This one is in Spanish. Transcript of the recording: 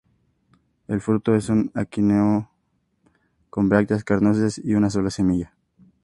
El "fruto" es un aquenio con brácteas carnosas y una sola semilla.